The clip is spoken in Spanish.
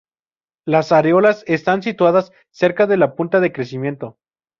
Las areolas están situadas cerca de la punta de crecimiento.